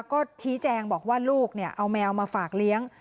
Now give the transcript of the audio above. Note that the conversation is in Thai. ก็ชี้แจงบอกว่าลูกเอาแมวมาฝากเลี้ยง